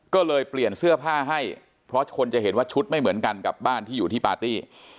ก็เลยเปลี่ยนเสื้อผ้าให้เพราะคนจะเห็นว่าชุดไม่เหมือนกันกับบ้านที่อยู่ที่ปาร์ตี้